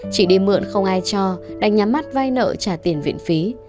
chị đi mượn không ai cho đánh nhắm mắt vai nợ trả tiền viện phí